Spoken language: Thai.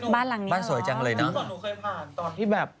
บ้านหลังนี้บ้านสวยจังเลยเนอะหนูเคยผ่านตอนที่แบบ